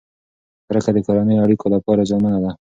کرکه د کورنیو اړیکو لپاره زیانمنه ده.